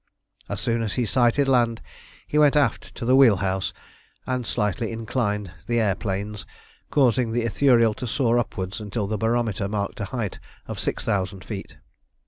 As soon as he sighted land he went aft to the wheel house, and slightly inclined the air planes, causing the Ithuriel to soar upwards until the barometer marked a height of 6000 feet.